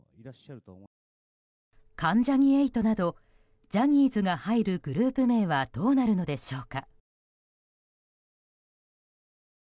関ジャニ∞などジャニーズが入るグループ名はどうなるのでしょうか。